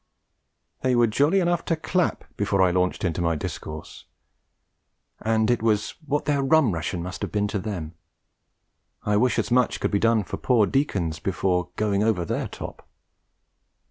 They were jolly enough to clap before I launched into my discourse, and it was what their rum ration must have been to them. I wish as much could be done for poor deacons before going over their top.